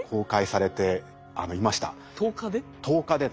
１０日で？